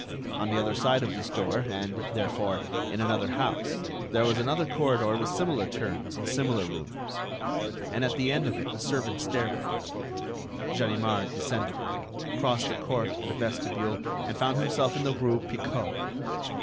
On the other side of this door and, therefore, in another house there was another corridor with similar turns and similar rooms, and at the end of it a servants' stairway. Ganimard descended it, crossed a court and a vestibule and found himself in the rue Picot.